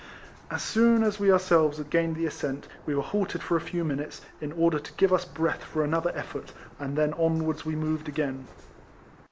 As soon as we ourselves had gained the ascent we were halted for a few minutes, in order to give us breath for another effort, and then onwards we moved again.